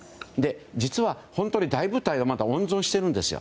実は、本当に大部隊をまだ温存しているんですよ